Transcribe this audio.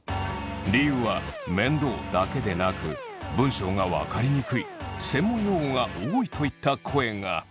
理由は面倒だけでなく文章がわかりにくい専門用語が多いといった声が！